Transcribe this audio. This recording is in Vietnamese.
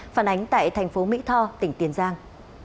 phản ánh tại thành phố mỹ tho tỉnh tiền giang